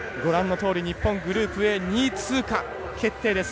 グループＡ、２位通過決定です。